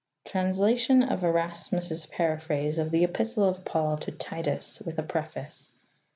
7. Translation of Erasmus' Paraphrase of the Epistle of Paul to Titus, with a Preface.